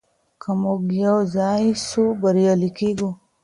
که موږ يو ځای سو بريالي کيږو.